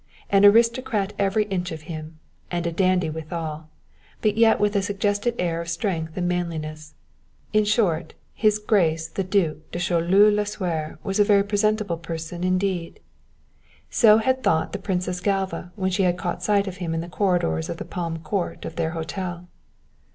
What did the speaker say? An aristocrat every inch of him, and a dandy withal, but yet with a suggested air of strength and manliness. In short, his Grace the Duc de Choleaux Lasuer was a very presentable person indeed. So had thought the Princess Galva when she had caught sight of him in the corridors or in the Palm Court of their hotel.